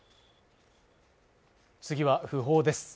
次は訃報です